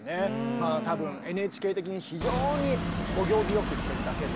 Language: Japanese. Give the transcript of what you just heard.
まあ多分ＮＨＫ的に非常にお行儀良く言ってるだけで。